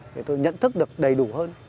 thì tôi nhận thức được đầy đủ hơn